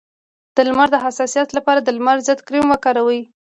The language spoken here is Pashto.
د لمر د حساسیت لپاره د لمر ضد کریم وکاروئ